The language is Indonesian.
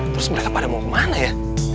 terus mereka pada mau kemana ya